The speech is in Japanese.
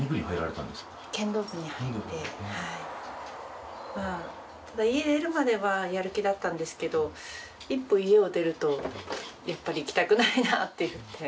ただ家出るまではやる気だったんですけど一歩家を出るとやっぱり行きたくないなって言って。